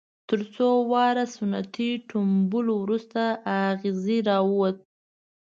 تر څو واره ستنې ټومبلو وروسته اغزی را ووت.